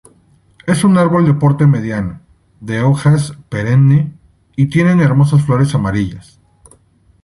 Es un árbol de porte mediano, de hojas perenne y tiene hermosas flores amarillas.